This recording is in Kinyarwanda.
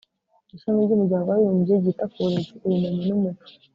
ishami ry'umuryango w'abibumbye ryita ku burezi, ubumenyi n'umuco